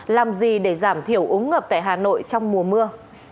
làm gì để giảm thiểu ống ngập tại hà nội trong mùa mưa